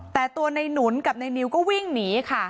แต่ตัวในหนุนกับในนิวก็วิ่งหนีค่ะ